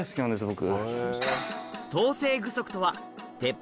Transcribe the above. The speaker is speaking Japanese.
僕。